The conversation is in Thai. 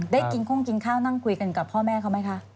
ได้กินโค้งกินข้าวนั่งคุยกันกับพ่อแม่เขาไหมคะ